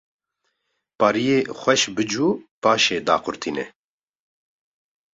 pariyê xweş bicû paşê daqurtîne